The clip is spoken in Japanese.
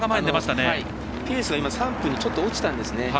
ペースが今３分にちょっと落ちたんですね。